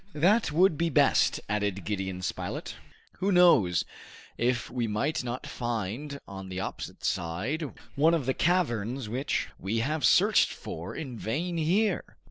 "That would be best," added Gideon Spilett. "Who knows if we might not find on the opposite side one of the caverns which we have searched for in vain here?"